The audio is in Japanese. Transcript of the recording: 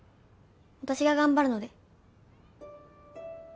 私が頑張るので。